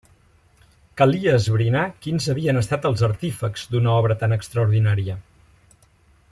Calia esbrinar quins havien estat els artífexs d'una obra tan extraordinària.